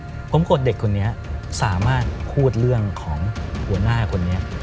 ผมโกรธเด็กคนนี้สามารถพูดเรื่องของหัวหน้าคนนี้